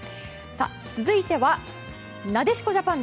続いては、なでしこジャパン。